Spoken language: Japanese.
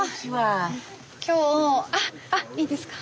今日あっいいですか？